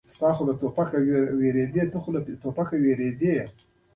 د لمر وړانګو چې د کورو پر دېوالو لګېدې هوا ګرمه کړې وه.